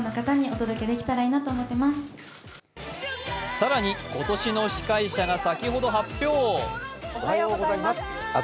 更に今年の司会者が先ほど発表。